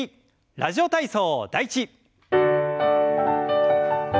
「ラジオ体操第１」。